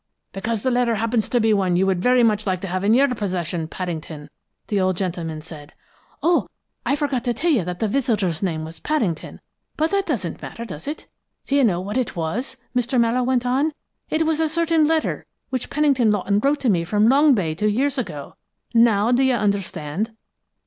"'Because the letter happens to be one you would very much like to have in your possession, Paddington,' the old gentleman said. Oh, I forgot to tell you that the visitor's name was Paddington, but that doesn't matter, does it? 'Do you know what it was?' Mr. Mallowe went on. 'It was a certain letter which Pennington Lawton wrote to me from Long Bay two years ago. Now do you understand?'"